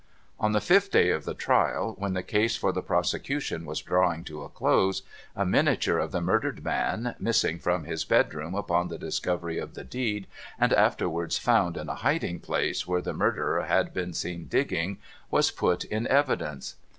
On the fifth day of the trial, when the case for the prosecution was drawing to a close, a miniature of the murdered man, missing from his bedroom upon the discovery of the deed, and afterwards found in a hiding place where the Murderer had been seen digging, was put in evidence.